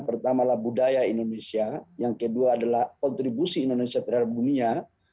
pertamalah budaya indonesia yang kedua adalah kontribusi indonesia terhadap dunia